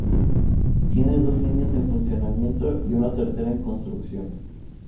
Tiene dos líneas en funcionamiento y una tercera en construcción.